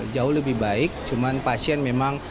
jauh lebih baik cuman pasien memang